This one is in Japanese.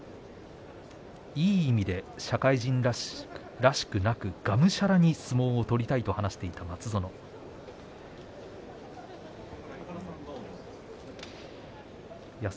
いい意味で社会人らしくなくがむしゃらに相撲を取りたいと話をしていた松園です。